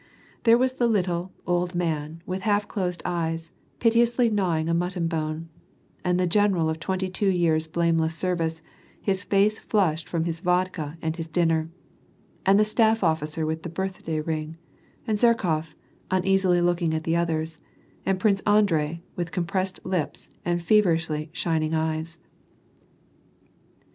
There was the little, old man, with half €losed eyes, piteously gnawing a mutton bone ; and the general of twenty two years' blameless service, his face flushed from his vodka and his din ner ; and the staff officer with the birthday ring ; and Zherkof, uneasily looking at the others ; and Prince Andrei, with com pressed lips and feverishly shining eyes.